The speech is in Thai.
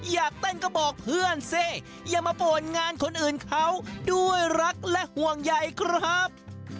อยากเต้นก็บอกเพื่อนสิอย่ามาบ่นงานคนอื่นเขาด้วยรักและห่วงใหญ่ครับ